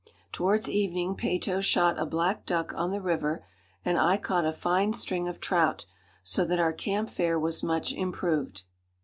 Towards evening Peyto shot a black duck on the river, and I caught a fine string of trout, so that our camp fare was much improved.